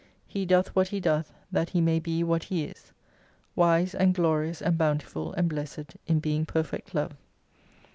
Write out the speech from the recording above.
He doth what He doth, that He may be what He is: Wise and glorious and bountiful and blessed in being Perfect Love.